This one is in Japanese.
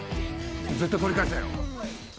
絶対取り返せよ。